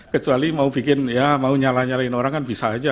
kecuali mau bikin ya mau nyala nyalain orang kan bisa aja